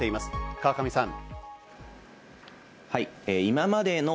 川上さん。